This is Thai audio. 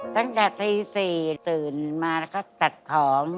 ตั้งแต่ตี๔ตื่นมาแล้วก็ตัดของ